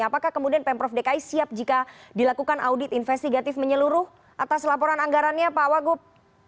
apakah kemudian pemprov dki siap jika dilakukan audit investigatif menyeluruh atas laporan anggarannya pak wagub